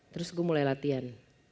terus gue mulai latihan